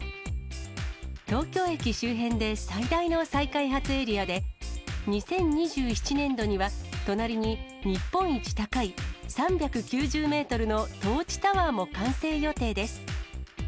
東京駅周辺で最大の再開発エリアで、２０２７年度には、隣に日本一高い３９０メートルのトーチタワーも完成予定です。